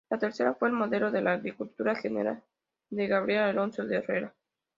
La tercera fue el modelo de la "Agricultura general" de Gabriel Alonso de Herrera.